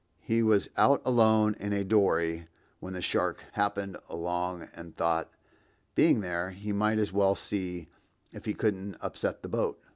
He was out alone in a dory when the shark happened along and thought, being there, he might as well see if he couldn't upset the boat.